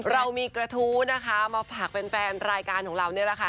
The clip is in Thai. เรามีกระทู้นะคะมาฝากแฟนรายการของเรานี่แหละค่ะ